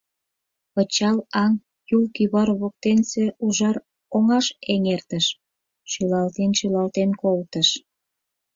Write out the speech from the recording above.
Пычал аҥ Юл кӱвар воктенсе ужар оҥаш эҥертыш, шӱлалтен-шӱлалтен колтыш.